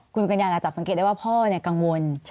คุณกัญญาจับสังเกตได้ว่าพ่อกังวล